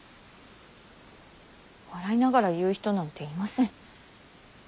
笑いながら言う人なんていません。